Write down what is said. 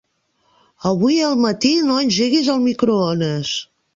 Avui al matí no engeguis el microones.